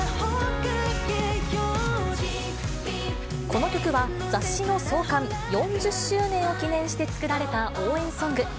この曲は雑誌の創刊４０周年を記念して作られた応援ソング。